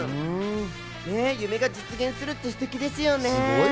夢が実現するってすてきですよね。